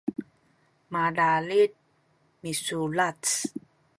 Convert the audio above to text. kalalid misulac